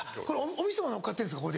おみそがのっかってるんですか。